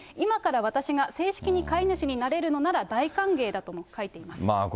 さらに、今から私が正式に飼い主になれるのなら大歓迎だと書いています。